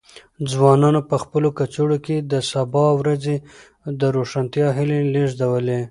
ځوانانو په خپلو کڅوړو کې د سبا ورځې د روښانتیا هیلې لېږدولې.